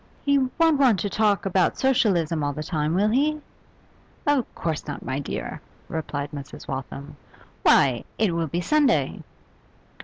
'He won't want us to talk about Socialism all the time, will he?' 'Of course not, my dear,' replied Mrs. Waltham. 'Why, it will be Sunday.